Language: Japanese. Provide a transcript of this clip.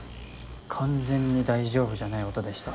完全に大丈夫じゃない音でした。